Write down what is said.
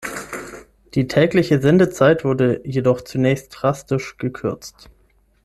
Die tägliche Sendezeit wurde jedoch zunächst drastisch gekürzt.